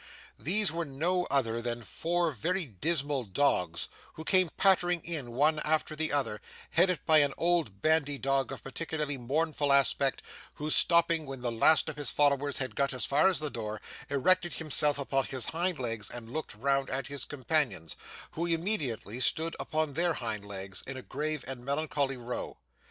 These were no other than four very dismal dogs, who came pattering in one after the other, headed by an old bandy dog of particularly mournful aspect, who, stopping when the last of his followers had got as far as the door, erected himself upon his hind legs and looked round at his companions, who immediately stood upon their hind legs, in a grave and melancholy row.